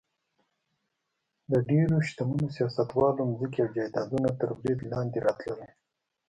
د ډېرو شتمنو سیاستوالو ځمکې او جایدادونه تر برید لاندې راتلل.